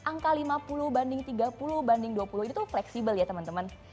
angka lima puluh banding tiga puluh banding dua puluh itu fleksibel ya teman teman